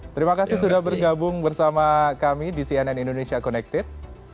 terima kasih sudah bergabung bersama kami di cnn indonesia connected